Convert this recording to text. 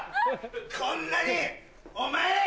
こんなにお前！